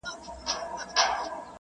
آيا ظلم په ټولنه کي ځای لري؟